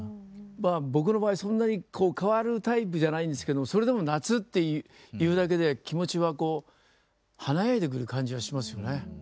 まあ僕の場合そんなにこう変わるタイプじゃないんですけどそれでも夏っていうだけで気持ちはこう華やいでくる感じはしますよね。